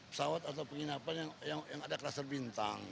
pesawat atau penginapan yang ada kluster bintang